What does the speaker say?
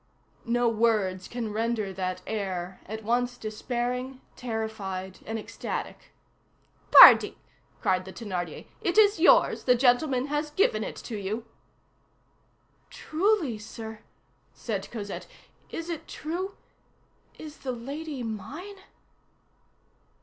No words can render that air, at once despairing, terrified, and ecstatic. "Pardi!" cried the Thénardier, "it is yours. The gentleman has given it to you." "Truly, sir?" said Cosette. "Is it true? Is the 'lady' mine?"